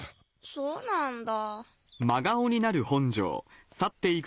そうなんだ。